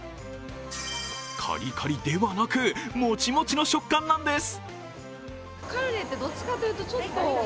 カリカリではなく、モチモチの食感なんです。